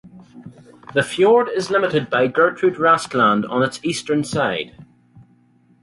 The fjord is limited by Gertrud Rask Land on its eastern side.